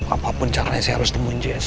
apapun caranya saya harus temuin cs